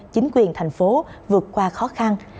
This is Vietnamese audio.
chính quyền thành phố vượt qua khó khăn